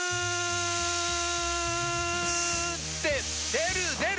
出る出る！